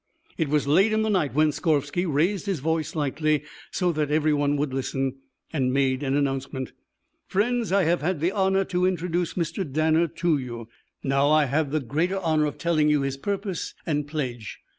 It was late in the night when Skorvsky raised his voice slightly, so that everyone would listen, and made an announcement: "Friends, I have had the honour to introduce Mr. Danner to you. Now I have the greater honour of telling you his purpose and pledge.